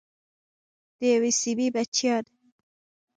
د یوې سیمې بچیان.